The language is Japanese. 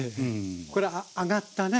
これ揚がったね